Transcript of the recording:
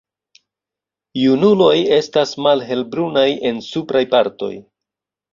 Junuloj estas malhelbrunaj en supraj partoj.